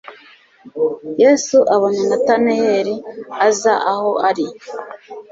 Yesu abona Natanaeli aza aho ari,